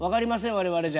我々じゃ。